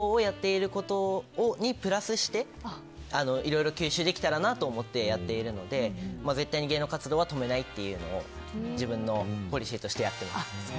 ただ受験に関しても僕は学校生活と芸能活動をやっていることにプラスしていろいろ吸収できたらなと思ってやっているので絶対に芸能活動は止めないというのを自分のポリシーとしてやっています。